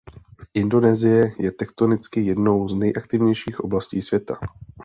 Indonésie je tektonicky jednou z nejaktivnějších oblastí světa.